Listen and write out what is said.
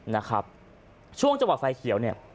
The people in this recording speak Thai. นะครับช่วงจังหวะไฟเขียวเนี่ย